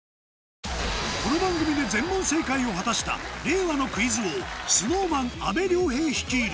この番組で全問正解を果たした令和のクイズ王ＳｎｏｗＭａｎ・阿部亮平率いる